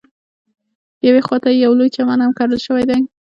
یوې خواته یې یو لوی چمن هم کرل شوی دی.